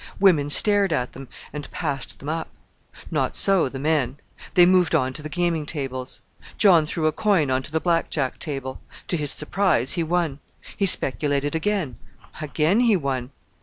Women stared at them, and "Passed them up." Not so the men. They moved on to the gaming tables. John threw a coin on to the Black Jack table. To his surprise he won. He speculated again: again he won.